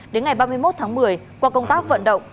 đến ngày ba mươi một tháng một mươi qua công tác vận động